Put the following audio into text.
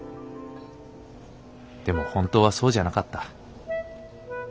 でも本当はそうじゃなかった。